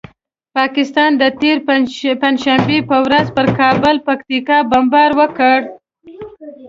پاکستان د تېرې پنجشنبې په ورځ پر کابل او پکتیکا بمبار وکړ.